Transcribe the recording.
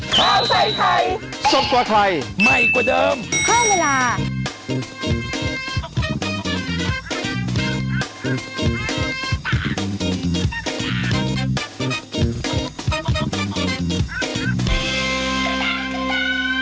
ข้าวใส่ไทยสดกว่าไทยใหม่กว่าเดิมเพิ่มเวลา